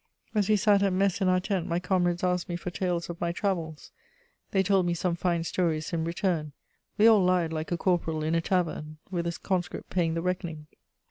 As we sat at mess in our tent my comrades asked me for tales of my travels; they told me some fine stories in return; we all lied like a corporal in a tavern, with a conscript paying the reckoning.